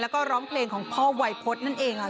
แล้วก็ร้องเพลงของพ่อวัยพฤษนั่นเองค่ะ